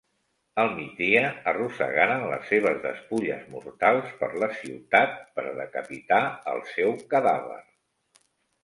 Al migdia arrossegaren les seves despulles mortals per la ciutat per decapitar el seu cadàver.